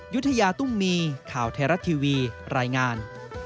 ยุธยาตุ้มมีข่าวไทยรัฐทีวีรายงาน